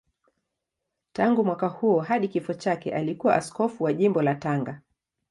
Tangu mwaka huo hadi kifo chake alikuwa askofu wa Jimbo la Tanga.